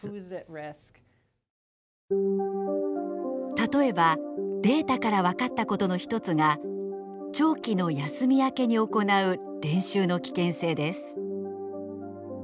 例えばデータから分かったことの一つが長期の休み明けに行う練習の危険性です。